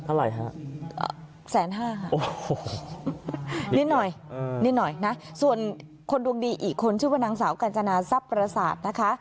เท่าไหร่ฮะแสนห้าค่ะโอ้โหนิดหน่อยนิดหน่อยนะส่วนคนดวงดีอีกคนชื่อว่านางสาวกัญจนาทรัพย์ประสาทนะคะ